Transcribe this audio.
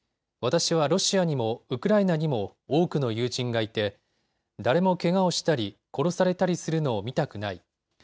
私はロシアにもウクライナにも、多くの友人がいて誰もけがをしたり殺されたりするのを見たくない。